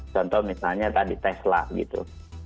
contoh misalnya tadi tesla gitu